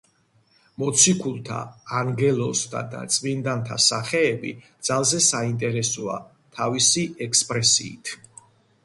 მოციქულთა, ანგელოზთა და წმინდანთა სახეები ძალზე საინტერესოა თავისი ექსპრესიით.